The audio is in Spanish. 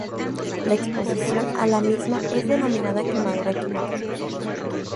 La exposición a la misma es denominada quemadura química.